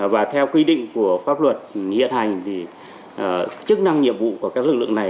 và theo quy định của pháp luật hiện hành thì chức năng nhiệm vụ của các lực lượng này